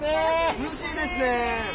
涼しいですね。